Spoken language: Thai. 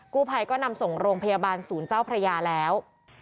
กู้ภัยก็นำส่งโรงพยาบาลศูนย์เจ้าพระยาแล้ว